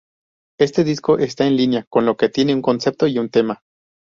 Este disco está en línea con lo que tiene un concepto y un tema.